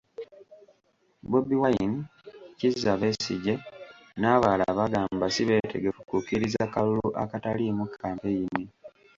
Bobi Wine, Kizza Besigye, n'abalala bagamba sibeetegefu kukkiriza kalulu akataliimu kampeyini.